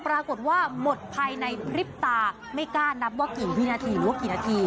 ปรากฏว่าหมดภายในพริบตาไม่กล้านับว่ากี่วินาทีหรือว่ากี่นาที